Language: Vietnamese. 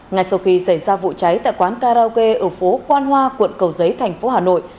ngay sau khi xảy ra vụ cháy tại quán karaoke ở phố quan hoa quận cầu giấy thành phố hà nội